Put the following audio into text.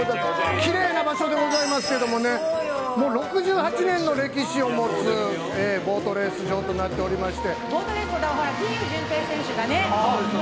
きれいな場所でございますけどもう６８年の歴史を持つボートレース場となっておりまして。